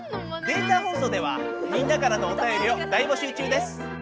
データ放送ではみんなからのおたよりを大募集中です！